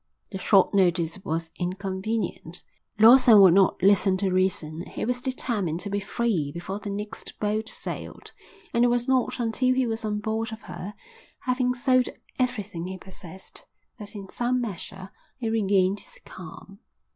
The short notice was inconvenient. Lawson would not listen to reason. He was determined to be free before the next boat sailed; and it was not until he was on board of her, having sold everything he possessed, that in some measure he regained his calm.